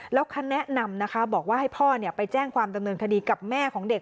แล้วเขาแนะนำนะคะบอกว่าให้พ่อไปแจ้งความดำเนินคดีกับแม่ของเด็ก